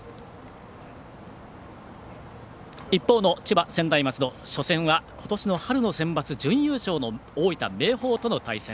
一方の千葉・専大松戸、初戦は今年の春のセンバツ準優勝の大分・明豊との対戦。